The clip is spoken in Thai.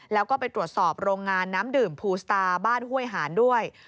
แล้วก็ไปตรวจสอบโรงงานน้ำดื่มภูสตาร์บ้านห้วยหานด้วย